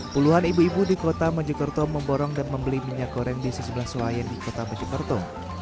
puluhan ibu ibu di kota majokerto memborong dan membeli minyak goreng di sisi belah suayen di kota majokerto